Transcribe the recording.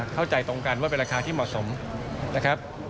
เข้าใจตรงกันว่าเป็นราคาที่เหมาะสมนะครับ